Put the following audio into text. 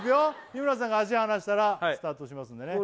日村さんが足離したらスタートしますんでね